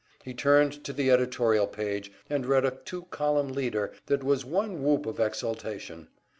He turned to the editorial page, and read a two column "leader" that was one whoop of exultation.